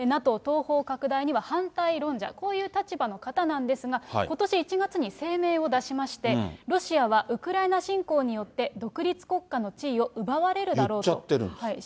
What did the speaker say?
東方拡大には反対論者、こういう立場の方なんですが、ことし１月に声明を出しまして、ロシアはウクライナ侵攻によって独立国家の地位を奪われるだろう言っちゃってるんです。